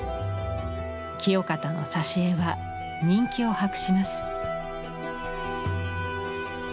清方の挿絵は人気を博します。